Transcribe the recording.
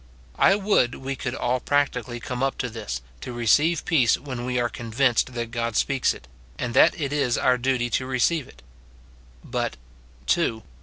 I would we could all practically come up to this, to receive peace when we are convinced that God speaks it, and that it is our duty to receive it. But, — (2.)